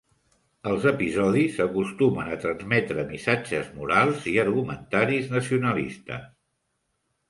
Els episodis acostumen a transmetre missatges morals i argumentaris nacionalistes.